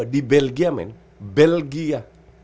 di belgia men belgia